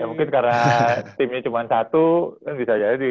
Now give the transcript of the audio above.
mungkin karena timnya cuma satu kan bisa jadi